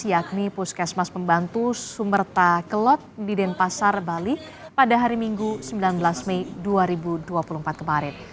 yakni puskesmas pembantu sumerta kelot di denpasar bali pada hari minggu sembilan belas mei dua ribu dua puluh empat kemarin